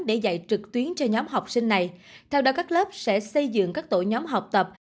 để dạy trực tuyến cho nhóm học sinh này theo đó các lớp sẽ xây dựng các tổ nhóm học tập